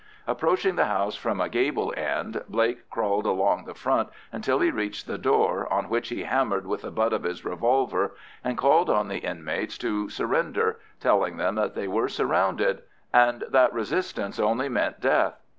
Approaching the house from a gable end, Blake crawled along the front until he reached the door, on which he hammered with the butt of his revolver, and called on the inmates to surrender, telling them that they were surrounded and that resistance only meant death.